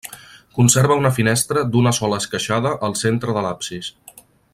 Conserva una finestra d'una sola esqueixada al centre de l'absis.